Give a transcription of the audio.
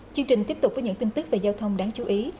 chương trình tiếp tục với những tin tức về giao thông đáng chú ý